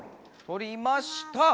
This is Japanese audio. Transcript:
とりました。